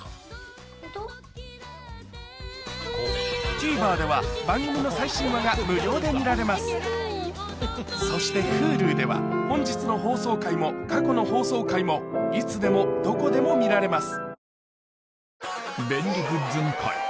ＴＶｅｒでは番組の最新話が無料で見られますそしてＨｕｌｕでは本日の放送回も過去の放送回もいつでもどこでも見られます